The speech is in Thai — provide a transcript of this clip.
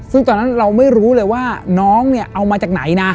ซึ่งตอนนั้นเราไม่รู้เลยว่าน้องเนี่ยเอามาจากไหนนะ